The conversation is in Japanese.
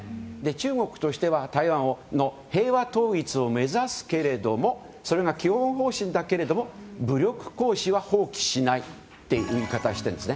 中国としては台湾の平和統一を目指すけれどもそれが基本方針だけれども武力行使は放棄しないという言い方をしているんです。